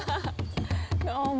どうも。